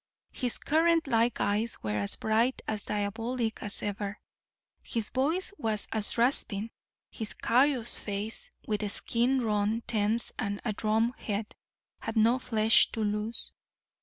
His currant like eyes were as bright and diabolic as ever; his voice was as rasping; his callous face, with the skin drawn tense as a drum head, had no flesh to lose.